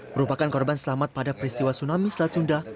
merupakan korban selamat pada peristiwa tsunami selat sunda